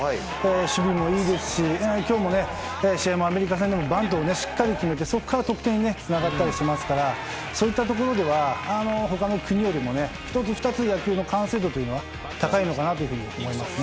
守備もいいですし今日の試合もアメリカ戦でもバントをしっかり決めてそこから得点につながったりしますからそういったところでは他の国よりも１つ、２つ野球の完成度というのは高いのかなというふうに思いますね。